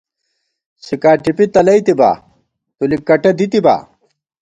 سِکا ٹپی تلَئیتِبا ، تُلِک کٹہ دِتِبا